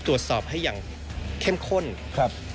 ตรวจสอบให้อย่างเข้มข้นครับ